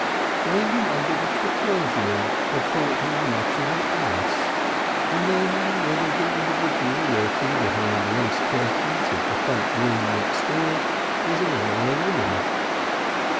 Then he wondered if the clergyman had thought him much of an ass, and then whether the individual lurking behind the lace curtains of the front room next door was a man or a woman.